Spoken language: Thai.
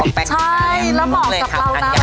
ใช่แล้วบอกกับเรานะ